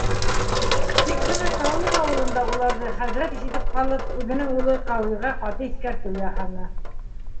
Тик бына Таллыҡ ауылында уларҙы хәҙрәт ишетеп ҡалып, үҙенең улы Ҡәүигә ҡаты иҫкәртеү яһаны.